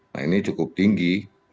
nah ini cukup tinggi